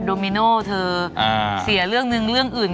โมโน่เธอเสียเรื่องหนึ่งเรื่องอื่น